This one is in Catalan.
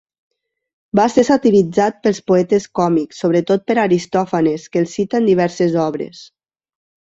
Va ser satiritzat pels poetes còmics, sobretot per Aristòfanes, que el cita en diverses obres.